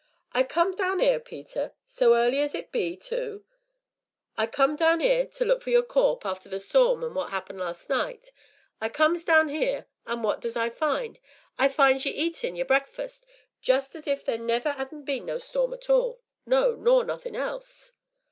"I come down 'ere, Peter so early as it be, tu I come down 'ere to look for your corp', arter the storm an' what 'appened last night. I comes down 'ere, and what does I find? I finds ye a eatin' your breakfus' just as if theer never 'adn't been no storm at all no, nor nothin' else."